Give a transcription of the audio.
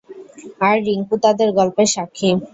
আর রিংকু তাদের গল্পের সাক্ষী।